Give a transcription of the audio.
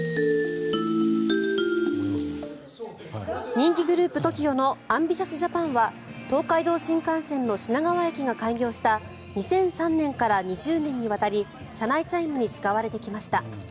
人気グループＴＯＫＩＯの「ＡＭＢＩＴＩＯＵＳＪＡＰＡＮ！」は東海道新幹線の品川駅が開業した２００３年から２０年にわたり車内チャイムに使われてきました。